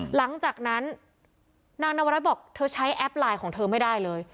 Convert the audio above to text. หลังจากนั้นนางนวรัฐบอกเธอใช้แอปไลน์ของเธอไม่ได้เลย